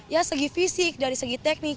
ya segi fisik dari segi teknik